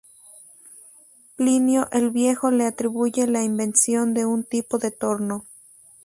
Plinio el Viejo le atribuye la invención de un tipo de torno.